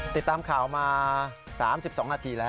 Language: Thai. ติดตามข่าวมา๓๒นาทีแล้ว